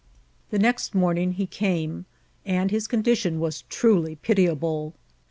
The next morning he came, and his condition was truly pitiable.